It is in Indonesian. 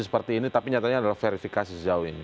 seperti ini tapi nyatanya adalah verifikasi sejauh ini